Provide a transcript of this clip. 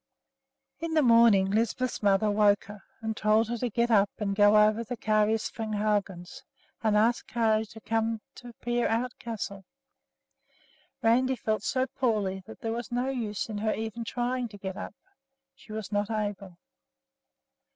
In the morning Lisbeth's mother woke her and told her to get up and go over to Kari Svehaugen's and ask Kari to come to Peerout Castle. Randi felt so poorly that there was no use in her even trying to get up. She was not able.